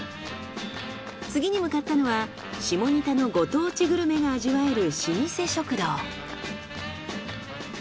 次に向かったのは下仁田のご当地グルメが味わえる老舗食堂。